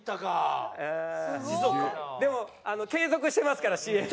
でも継続してますからＣＭは。